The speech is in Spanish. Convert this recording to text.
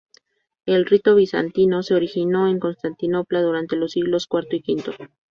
El rito bizantino se originó en Constantinopla durante los siglos cuarto y quinto.